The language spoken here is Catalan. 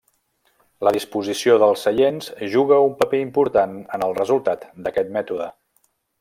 La disposició dels seients juga un paper important en el resultat d'aquest mètode.